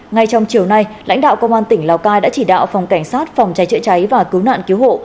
ngay trong chiều nay lãnh đạo công an tỉnh lào cai đã chỉ đạo phòng cảnh sát phòng cháy chữa cháy và cứu nạn cứu hộ